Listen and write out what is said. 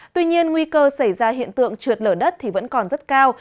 tuy nhiên nguy cơ xảy ra hiện tượng trượt lở đất thì vẫn còn rất cao